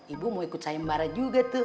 ibu mau ikut sayembara juga tuh